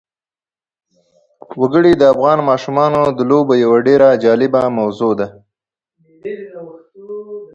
وګړي د افغان ماشومانو د لوبو یوه ډېره جالبه موضوع ده.